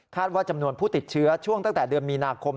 ว่าจำนวนผู้ติดเชื้อช่วงตั้งแต่เดือนมีนาคม